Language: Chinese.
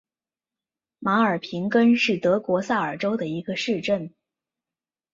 马尔平根是德国萨尔州的一个市镇。